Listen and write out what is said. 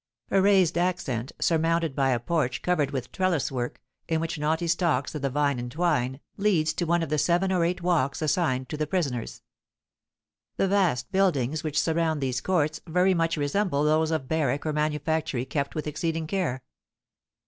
A raised ascent, surmounted by a porch covered with trellis work, in which knotty stalks of the vine entwine, leads to one of the seven or eight walks assigned to the prisoners. The vast buildings which surround these courts very much resemble those of barrack or manufactory kept with exceeding care.